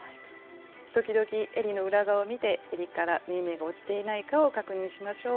時々えりの裏側を見てえりから縫い目が落ちていないかを確認しましょう。